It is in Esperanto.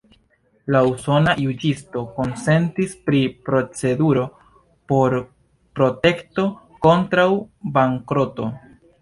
La usona juĝisto konsentis pri proceduro por protekto kontraŭ bankroto.